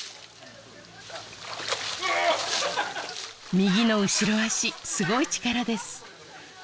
右の後ろ足すごい力です